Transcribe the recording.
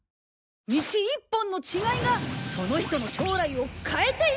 道一本の違いがその人の将来を変えていくんだ！